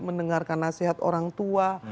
mendengarkan nasihat orang tua